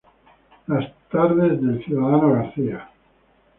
Las tardes del ciudadano García".